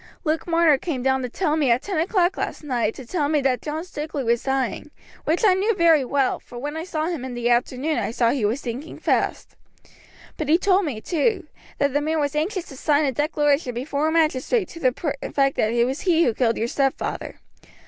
"Luke Marner came down to me at ten o'clock last night to tell me that John Stukeley was dying, which I knew very well, for when I saw him in the afternoon I saw he was sinking fast; but he told me, too, that the man was anxious to sign a declaration before a magistrate to the effect that it was he who killed your stepfather.